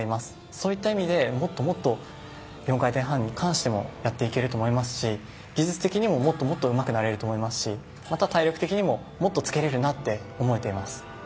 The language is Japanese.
そういった意味で、もっともっと４回転半に関してもやっていけると思いますし技術的にも、もっともっとうまくなれると思いますしまた体力的にももっとつけれるなと思っています。